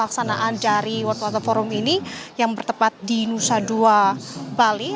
pelaksanaan dari world water forum ini yang bertepat di nusa dua bali